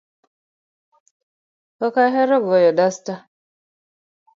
Ok ahero goyo dasta